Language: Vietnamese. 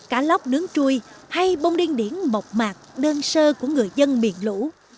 cá lóc nướng chui hay bông điên điển mộc mạc đơn sơ của người dân miền lũ